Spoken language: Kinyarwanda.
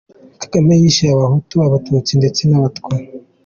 Kagame yishe abahutu, abatutsi ndetse n’abatwa.